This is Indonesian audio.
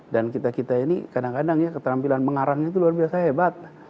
dan kita kita ini kadang kadang ya keterampilan mengarangnya itu luar biasa hebat